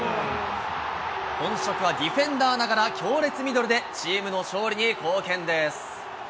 本職はディフェンダーながら強烈ミドルで、チームの勝利に貢献です。